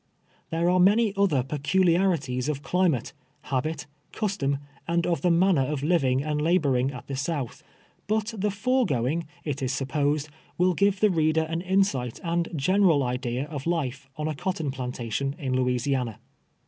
There are many other peculiarities of climate, habit, custom, and of the manner of living and labor ing at the South, but the foregoing, it is supposed, "will ffive the reader an insiii'ht and general idea of life on a cotton plantation in Louisiana.